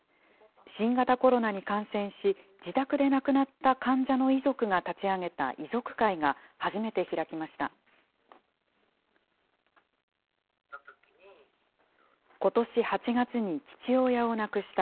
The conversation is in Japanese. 新型コロナに感染し、自宅で亡くなった患者の遺族が立ち上げた遺族会が初めて開きました。